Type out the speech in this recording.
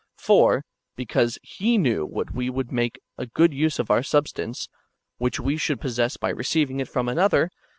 For, because lie knew that we would make a good use of our substance, which we should possess by receiving it from another.